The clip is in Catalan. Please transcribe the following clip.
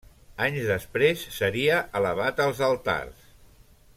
Anys després seria elevat als altars.